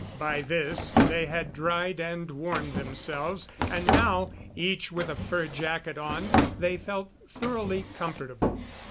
By this they had dried and warmed themselves, and now, each with a fur jacket on, they felt thoroughly comfortable.